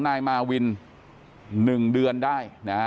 นายมาวิน๑เดือนได้นะฮะ